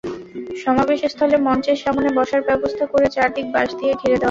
সমাবেশস্থলে মঞ্চের সামনে বসার ব্যবস্থা করে চারদিক বাঁশ দিয়ে ঘিরে দেওয়া হয়।